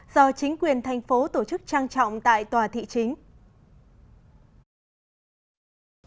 do chính quyền thành phố tổ chức trang trọng tại tòa thị chính